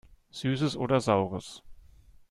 Süßes oder Saures!